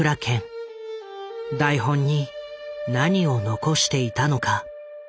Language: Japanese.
台本に何を残していたのか。